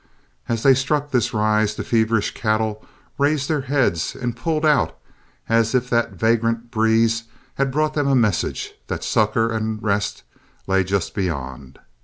As they struck this rise, the feverish cattle raised their heads and pulled out as if that vagrant breeze had brought them a message that succor and rest lay just beyond.